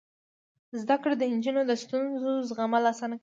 زده کړه د نجونو د ستونزو زغمل اسانه کوي.